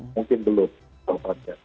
mungkin belum soalnya